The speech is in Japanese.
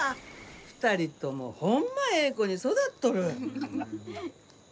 ２人ともホンマええ子に育っとる。